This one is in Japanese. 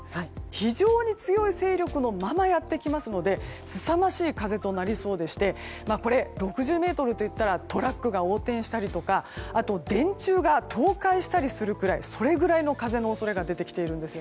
非常に強い勢力のままやってきますのですさまじい風となりそうでして６０メートルといったらトラックが横転したりとか電柱が倒壊したりするくらいそれくらいの風の恐れが出てきています。